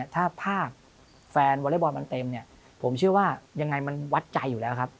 ถ้าภาพแฟนวอเล็กบอลมันเต็มเนี่ยผมเชื่อว่ายังไงมันวัดใจอยู่แล้วครับ